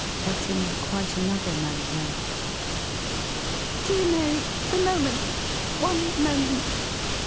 But in quite another manner now. "Dear Mary, a moment. One moment!